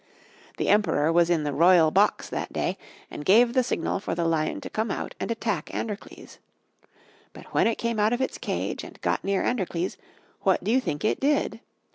The Emperor was in the royal box that day and gave the signal for the lion to come out and attack Androcles. But when it came out of its cage and got near Androcles, what do you think it did?